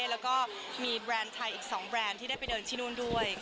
แล้วก็มีแบรนด์ไทยอีก๒แบรนด์ที่ได้ไปเดินที่นู่นด้วย